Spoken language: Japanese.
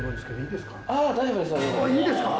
いいですか？